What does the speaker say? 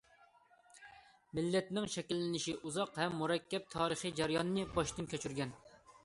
مىللەتنىڭ شەكىللىنىشى ئۇزاق ھەم مۇرەككەپ تارىخىي جەرياننى باشتىن كەچۈرگەن.